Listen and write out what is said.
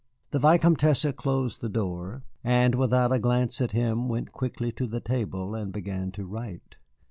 The Vicomtesse closed the door, and without a glance at him went quickly to the table and began to write.